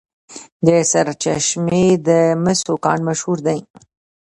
د سرچشمې د مسو کان مشهور دی.